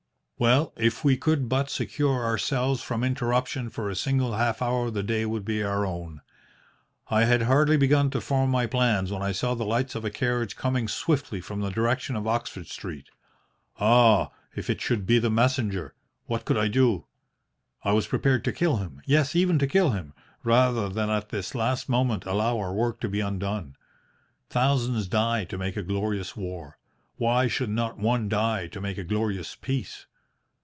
"Well, if we could but secure ourselves from interruption for a single half hour the day would be our own. I had hardly begun to form my plans when I saw the lights of a carriage coming swiftly from the direction of Oxford Street. Ah! if it should be the messenger! What could I do? I was prepared to kill him yes, even to kill him rather than at this last moment allow our work to be undone. Thousands die to make a glorious war. Why should not one die to make a glorious peace?